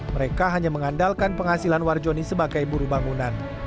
mereka hanya mengandalkan penghasilan warjoni sebagai buru bangunan